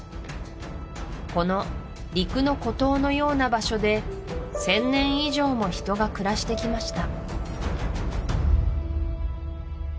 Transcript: この陸の孤島のような場所で１０００年以上も人が暮らしてきました